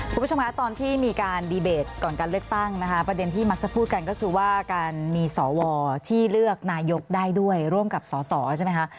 คุณผู้ชมคะตอนที่มีการดีเบตก่อนการเลือกตั้งนะคะประเด็นที่มักจะพูดกันก็คือว่าการมีสวที่เลือกนายกได้ด้วยร่วมกับสอสอใช่ไหมคะ